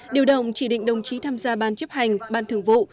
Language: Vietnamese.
điều động chỉ định đồng chí tham gia ban chấp hành ban thường vụ